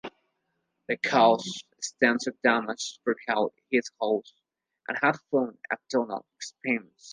They cause extensive damage throughout his house, and have fun at Donald's expense.